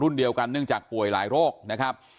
เนื่องจากป่วยหลายโรคนะครับ